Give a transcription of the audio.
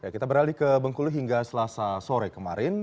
kita beralih ke bengkulu hingga selasa sore kemarin